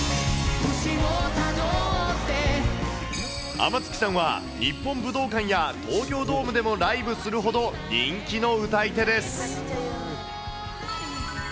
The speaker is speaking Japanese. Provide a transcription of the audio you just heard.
天月さんは日本武道館や東京ドームでもライブするほど人気の歌い手です。